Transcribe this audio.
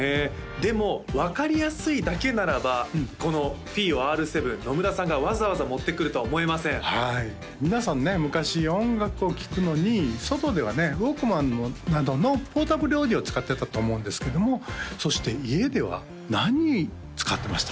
でも分かりやすいだけならばこのＦｉｉＯＲ７野村さんがわざわざ持ってくるとは思えません皆さんね昔音楽を聴くのに外ではねウォークマンなどのポータブルオーディオを使ってたと思うんですけどもそして家では何使ってました？